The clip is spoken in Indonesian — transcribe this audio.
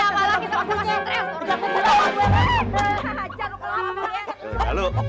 jangan berbicara sama gue